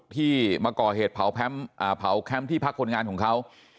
ที่มาก่อเหตุเผาแคมป์ที่พักคนงานของเขา